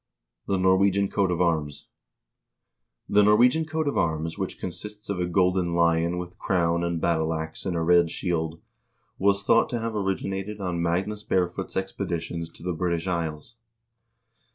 The Norwegian Coat of Arms The Norwegian coat of arms, which consists of a golden lion with crown and battle ax in a red shield, was thought to have origi nated on Magnus Barefoot's expeditions to the British Isles.